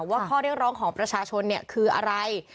ว่าข้อเรียกร้องของประชาชนคืออะไร